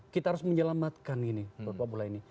kita harus menyelamatkan ini siapapula ini